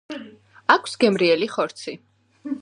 აქვს გემრიელი ხორცი.